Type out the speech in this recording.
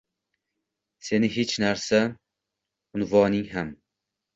seni hech narsa unvoning ham